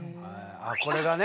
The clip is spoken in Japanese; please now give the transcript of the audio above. これがね。